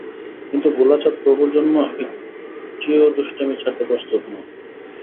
কিন্তু ভোলাচাঁদ প্রভুর জন্য একটিও দুষ্টামি ছাড়তে প্রস্তুত নন।